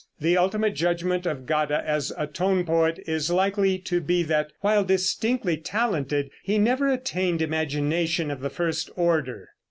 The ultimate judgment of Gade as a tone poet is likely to be that while distinctly talented, he never attained imagination of the first order.